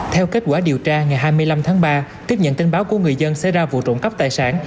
theo kết quả điều tra ngày hai mươi năm tháng ba tiếp nhận tin báo của người dân xảy ra vụ trộm cắp tài sản